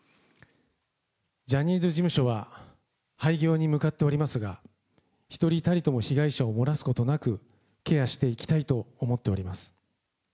ジャニーズ事務所は廃業に向かっておりますが、１人たりとも被害者を漏らすことなく、ケアしていきたいと思っております。